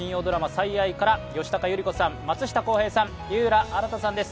「最愛」から吉高由里子さん、松下洸平さん、井浦新さんです。